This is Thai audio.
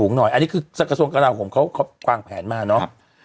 อันนี้คือสัตว์กระดาษของเขาควางแผนมาเนอะ